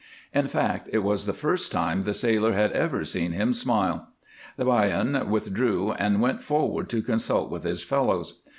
In fact, it was the first time the sailor had ever seen him smile. The 'Bajan withdrew and went forward to consult with his fellows.